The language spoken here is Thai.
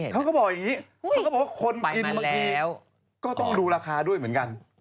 เขาก็บอกว่าคนกินเมื่อกี้ก็ต้องดูราคาด้วยเหมือนกัน